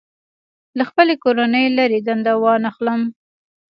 له خپلې کورنۍ لرې دنده وانخلم.